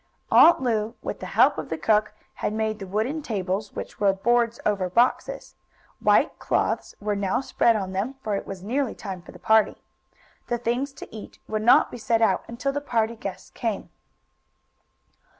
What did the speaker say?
Aunt Lu, with the help of the cook, had made the wooden tables, which were boards over boxes. White cloths were now spread on them, for it was nearly time for the party. The things to eat would not be set out until the party guests came.